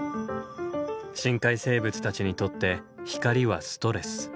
深海生物たちにとって光はストレス。